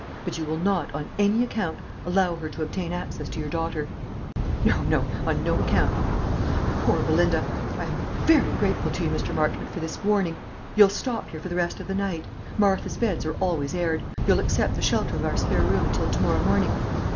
But you will not, on any account, allow her to obtain access to your daughter." "No, no on no account. My poor Belinda! I am very grateful to you, Mr. Marchmont, for this warning. You'll stop here for the rest of the night? Martha's beds are always aired. You'll accept the shelter of our spare room until to morrow morning?"